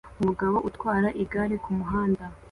Umugabo utwara igare kumuhanda